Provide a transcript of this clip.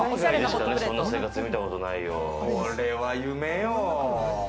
これは夢よ。